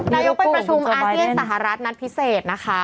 นายกไปประชุมอาเซียนสหรัฐนัดพิเศษนะคะ